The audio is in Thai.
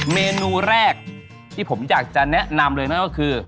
เมนูแรกที่ผมอยากจะแนะนำเลยนั่นก็คือ